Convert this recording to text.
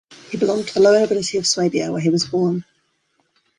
He belonged to the lower nobility of Swabia, where he was born.